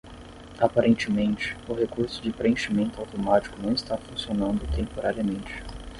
Aparentemente, o recurso de preenchimento automático não está funcionando temporariamente.